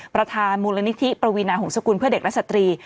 ประธานมูลนิธิปวีนาหงษกุลเพื่อเด็กและสตรี